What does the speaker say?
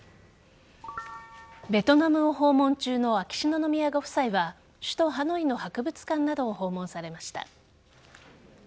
ベトナムを訪問中の秋篠宮ご夫妻は首都・ハノイの博物館などを訪問されました。